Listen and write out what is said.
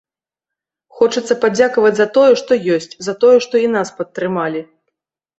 Хочацца падзякаваць за тое, што ёсць, за тое, што і нас падтрымалі.